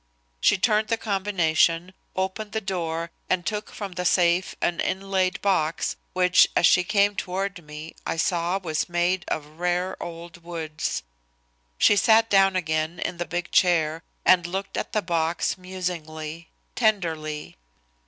She turned the combination, opened the door and took from the safe an inlaid box which, as she came toward me, I saw was made of rare old woods. She sat down again in the big chair and looked at the box musingly, tenderly.